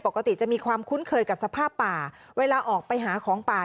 ปกติจะมีความคุ้นเคยกับสภาพป่าเวลาออกไปหาของป่า